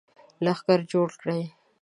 لښکر جوړ کړي.